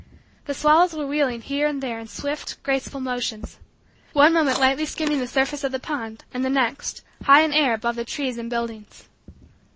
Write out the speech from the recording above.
The swallows were wheeling here and there in swift, graceful motions; one moment lightly skimming the surface of the pond and the next, high in air above the trees and buildings.